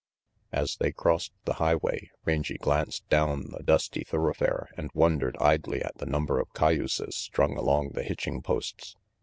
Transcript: As they crossed the highway Rangy glanced down the dusty thoroughfare and wondered idly at the number of cayuses strung along the hitching posts.